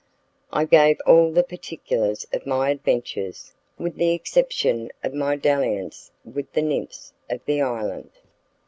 I gave all the particulars of my adventures, with the exception of my dalliance with the nymphs of the island.